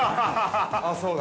◆ああ、そうか。